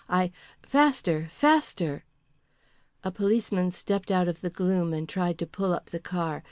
I . Faster, faster." A policeman stepped out of the gloom and tried to pull up the car.